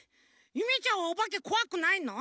ゆめちゃんはおばけこわくないの？